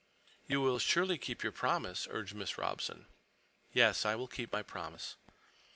"You will surely keep your promise?" urged Miss Robson. "Yes, I will keep my promise."